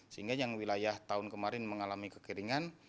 sehingga yang wilayah tahun kemarin mengalami kekeringan